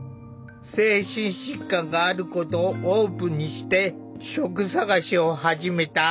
精神疾患があることをオープンにして職探しを始めた。